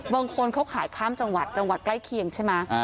บางคนเขาขายข้ามจังหวัดจังหวัดใกล้เคียงใช่ไหม